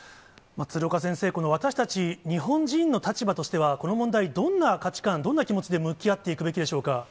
鶴岡先生、私たち日本人の立場としては、この問題、どんな価値観、どんな気持ちで向き合っていくべきでしょうか。